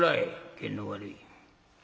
験の悪い」。